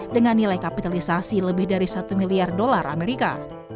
dengan nilai kapitalisasi lebih dari satu miliar dolar amerika